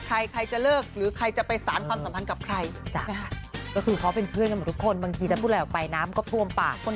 ก็ให้เขาเคลียร์กัน